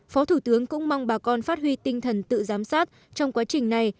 phó thủ tướng cũng mong bà con phát huy tinh thần tự giám sát trong quá trình này